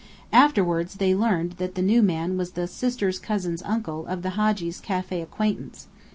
Afterwards they learned that the new man was the "sister's cousin's uncle" of the Hadji's café acquaintance.